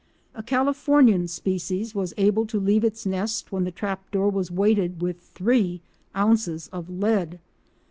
A Californian species was able to leave its nest when the trap door was weighted with three ounces of lead.